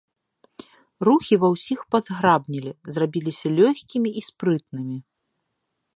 Рухі ва ўсіх пазграбнелі, зрабіліся лёгкімі і спрытнымі.